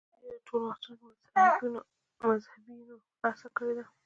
په تېرو ټولو وختونو کې مذهبيونو هڅه کړې ده.